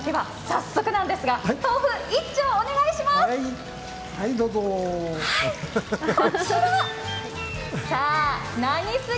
早速ですが、豆腐一丁、お願いします。